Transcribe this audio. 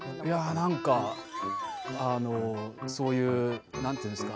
なんかそういうなんて言うんですか？